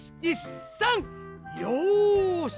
よし！